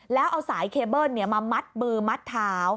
แล้วเอาสายเคเบิ้ลมามัดมือมัดเท้า